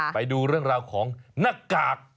ไปดูเรื่องราวของหน้ากาก